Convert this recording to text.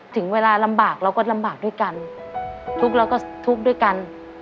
ถึงเวลาลำบากเราก็ลำบากด้วยกันทุกข์เราก็ทุกข์ด้วยกัน